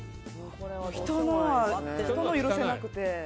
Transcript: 人のは、許せなくて。